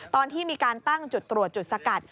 ตอนที่มีการตั้งจุดตรวจจุดสกัด